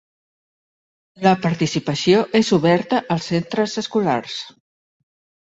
La participació és oberta als centres escolars.